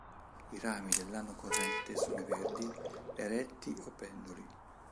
I rami dell'anno corrente sono verdi, eretti o penduli.